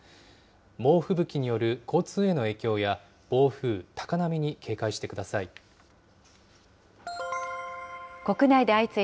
猛吹雪による交通への影響や、暴風、高波に警戒してください。